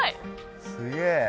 すげえ。